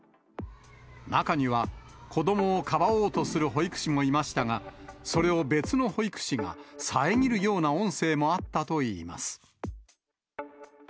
中には、子どもをかばおうとする保育士もいましたが、それを別の保育士が遮るような音声もあったといいます。